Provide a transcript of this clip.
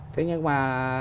thế nhưng mà